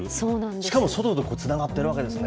しかも、外とつながっているわけですね。